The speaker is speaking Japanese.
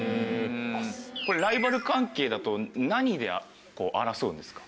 これライバル関係だと何で争うんですか？